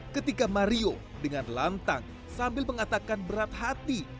ketika mario dengan lantang sambil mengatakan berat hati